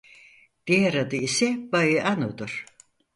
Diğer adı ise "Baiano"dur.